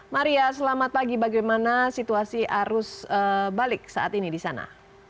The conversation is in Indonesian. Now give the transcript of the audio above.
maria selamat pagi bagaimana situasi arus balik saat ini di sana